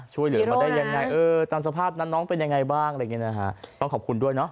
ช่วยเรื่องมาได้ยังไงตามสภาพนะน้องเป็นยังไงบ้างต้องขอบคุณด้วยนะ